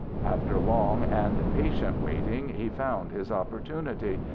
After long and patient waiting he found his opportunity.